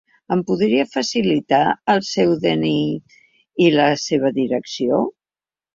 Em podria facilitar el seu de-ena-i i la seva direcció?